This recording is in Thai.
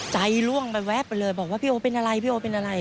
ใจร่วงไปแวบไปเลยบอกว่าพี่โอเป็นอะไร